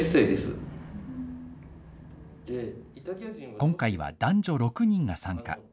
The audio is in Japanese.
今回は男女６人が参加。